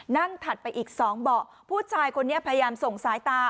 ถัดไปอีก๒เบาะผู้ชายคนนี้พยายามส่งสายตา